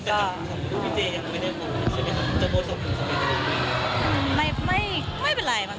แต่สมมุติของพี่เจยังไม่ได้พูดใช่ไหมคะ